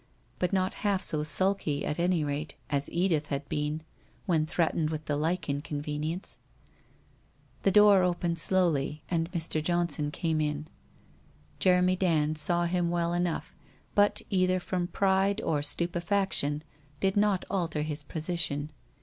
But not half so sulky, at any rate, as Edith had been when threatened with the like inconvenience. ... The door opened slowly, and Mr. Johnson came in. Jeremy Dand saw him well enough, but either from pride or stupefaction, did not alter his position.